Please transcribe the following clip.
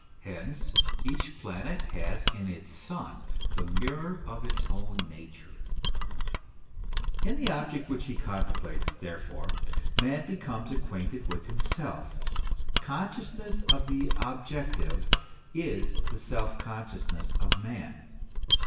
Hence each planet has in its sun the mirror of its own nature. THE ESSENTIAL NATURE OF MAN. 5 In the object which he contemplates, therefore, man "becomes acquainted with himself; consciousness of the objective is the self consciousness of man.